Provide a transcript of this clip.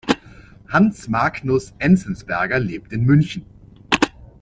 Hans Magnus Enzensberger lebt in München.